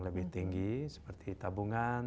lebih tinggi seperti tabungan